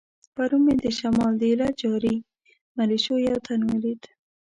پرون مې د شمال د ایله جاري ملیشو یو تن ولید.